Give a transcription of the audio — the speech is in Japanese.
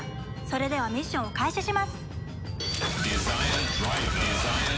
それではミッションを開始します！